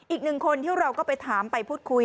อีกหนึ่งคนที่เราก็ไปถามไปพูดคุย